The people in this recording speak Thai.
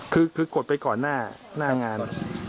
คือกดไปก่อนหน้างาน